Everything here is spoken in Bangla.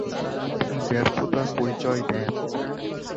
তিনি ব্যর্থতার পরিচয় দেন।